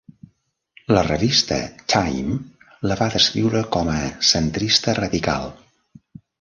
La revista "Time" la va descriure com a centrista radical.